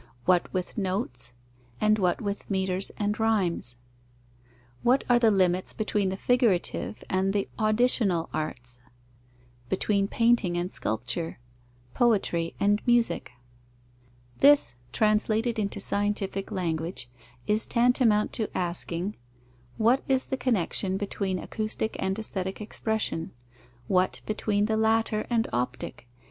What with notes, and what with metres and rhymes? What are the limits between the figurative and the auditional arts, between painting and sculpture, poetry and music? This, translated into scientific language, is tantamount to asking: What is the connexion between Acoustic and aesthetic expression? What between the latter and Optic?